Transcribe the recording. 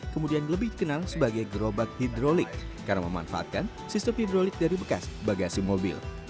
kemudian lebih dikenal sebagai gerobak hidrolik karena memanfaatkan sistem hidrolit dari bekas bagasi mobil